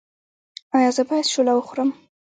ایا زه باید شوله وخورم؟